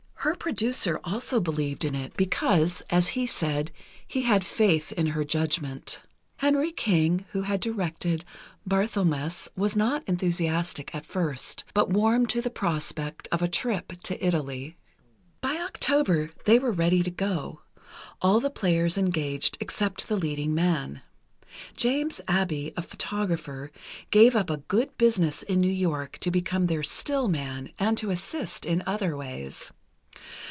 Her producer also believed in it, because, as he said, he had faith in her judgment. Henry King, who had directed Barthelmess, was not enthusiastic, at first, but warmed to the prospect of a trip to Italy. By October they were ready to go—all the players engaged except the leading man. James Abbe, a photographer, gave up a good business in New York to become their "still" man, and to assist in other ways.